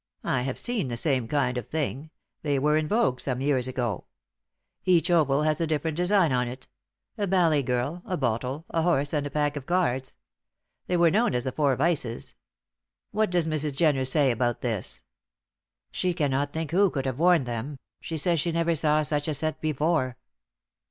"I have seen the same kind of thing. They were in vogue some years ago. Each oval has a different design on it a ballet girl, a bottle, a horse, and a pack of cards. They were known as the 'four vices.' What does Mrs. Jenner say about this?" "She cannot think who can have worn them; she says she never saw such a set before."